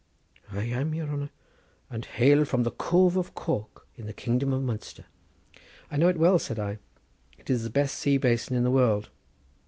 "I am, your honour, and hail from the Cove of Cork in the kingdom of Munster." "I know it well," said I. "It is the best sea basin in the world.